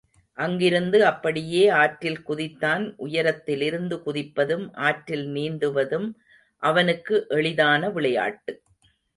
அங்கிருந்து அப்படியே ஆற்றில் குதித்தான் உயரத்திலிருந்து குதிப்பதும், ஆற்றில் நீந்துவதும் அவனுக்கு எளிதான விளையாட்டு.